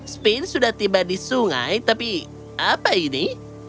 spin sudah tiba di sungai tapi apa ini